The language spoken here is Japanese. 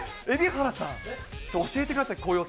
蛯原さん、教えてください。